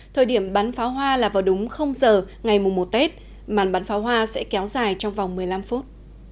thời điểm bắn pháo hoa là vào đúng giờ ngày mùa một tết màn bắn pháo hoa sẽ kéo dài trong vòng một mươi năm phút